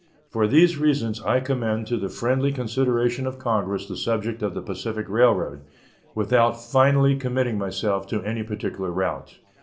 For these reasons I commend to the friendly consideration of Congress the subject of the Pacific Railroad, without finally committing myself to any particular route.